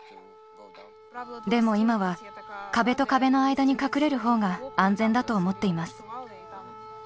でも今は、壁と壁の間に隠れるほうが安全だと思っています。